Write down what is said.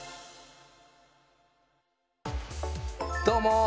どうも！